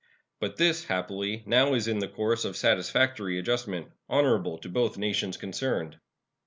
But this, happily, now is in the course of satisfactory adjustment, honorable to both nations concerned.